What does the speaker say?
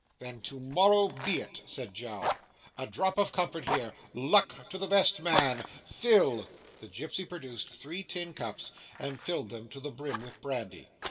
'Then to morrow be it,' said Jowl. 'A drop of comfort here. Luck to the best man! Fill!' The gipsy produced three tin cups, and filled them to the brim with brandy.